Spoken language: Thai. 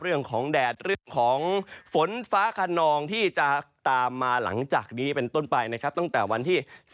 เรื่องของแดดเรื่องของฝนฟ้าขาหนองที่จะตามมาหลังจากนี้เป็นต้นไปตั้งแต่วันที่๑๔